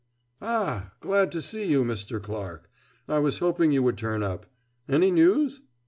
Ah! Glad to see you, Mr. Clarke. I was hoping you would turn up. Any news?"